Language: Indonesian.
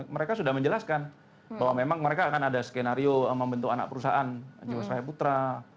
mereka sudah menjelaskan bahwa memang mereka akan ada skenario membentuk anak perusahaan jiwasraya putra